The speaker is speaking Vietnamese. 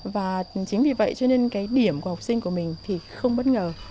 và chính vì vậy cho nên cái điểm của học sinh của mình thì không bất ngờ